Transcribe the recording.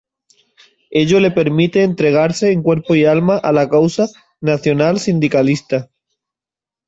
Ello le permite entregarse en cuerpo y alma a la causa nacionalsindicalista.